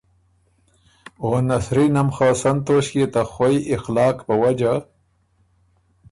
او نسرینه م خه سن توݭکيې ته خوَئ اخلاق په وجه